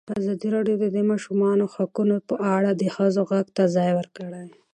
ازادي راډیو د د ماشومانو حقونه په اړه د ښځو غږ ته ځای ورکړی.